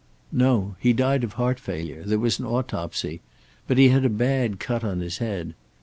"No. He died of heart failure. There was an autopsy. But he had a bad cut on his head.